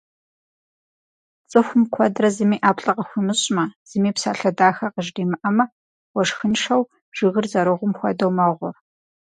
Цӏыхум, куэдрэ зыми ӏэплӏэ къыхуимыщӏмэ, зыми псалъэ дахэ къыжримыӏэмэ, уэшхыншэу жыгыр зэрыгьум хуэдэу мэгъур.